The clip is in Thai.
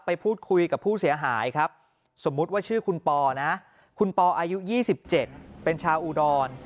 ไปพูดคุยกับผู้เสียหายครับสมมุติว่าชื่อคุณปอนะคุณปออายุ๒๗เป็นชาวอุดร